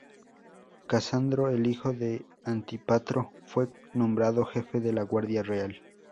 Casandro, el hijo de Antípatro, fue nombrado jefe de la guardia real.